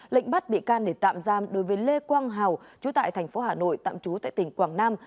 lệnh bắt bị can để tạm giam đối với lê quang hào chú tại tp hà nội tạm chú tại tỉnh quảng nam